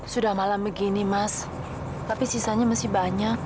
sudah malam begini mas tapi sisanya masih banyak